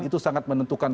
itu sangat menentukan